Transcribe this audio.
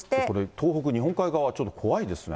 東北、日本海側、ちょっと怖いですね。